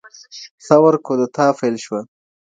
ثور کودتا پیل شوه.